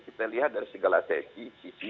kita lihat dari segala sesi